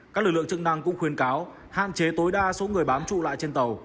các lực lượng chức năng cũng khuyên cáo hạn chế tối đa số người bám trụ lại trên tàu